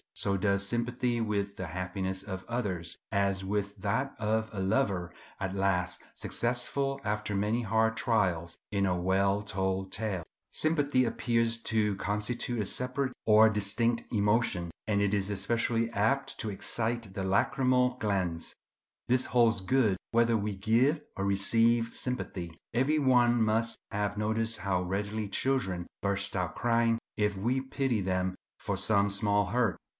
So does sympathy with the happiness of others, as with that of a lover, at last successful after many hard trials in a well told tale. Sympathy appears to constitute a separate or distinct emotion; and it is especially apt to excite the lacrymal glands. This holds good whether we give or receive sympathy. Every one must have noticed how readily children burst out crying if we pity them for some small hurt.